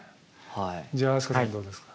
じゃあ飛鳥さんどうですか？